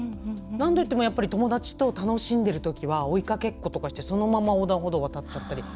何度いっても友達と楽しんでいると追いかけっこしてそのまま横断歩道渡っちゃったり。